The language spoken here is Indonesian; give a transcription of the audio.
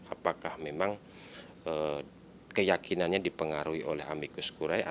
apakah memang keyakinannya dipengaruhi oleh amikus kurai